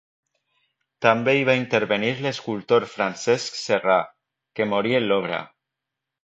També hi va intervenir l'escultor Francesc Serra, que morí en l'obra.